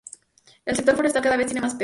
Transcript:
El sector forestal cada vez tiene más peso.